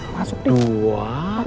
lepur dari saya